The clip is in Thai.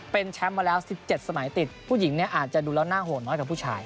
เป็นแชมป์มาแล้ว๑๗สมัยติดผู้หญิงเนี่ยอาจจะดูแล้วน่าห่วงน้อยกว่าผู้ชาย